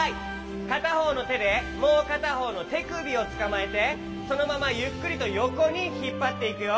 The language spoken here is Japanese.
かたほうのてでもうかたほうのてくびをつかまえてそのままゆっくりとよこにひっぱっていくよ。